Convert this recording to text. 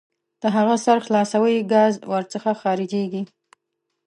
د هغه سر خلاصوئ ګاز ور څخه خارجیږي.